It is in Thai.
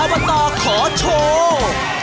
อวตขอโชว์